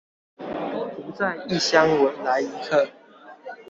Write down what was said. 獨在異鄉來一客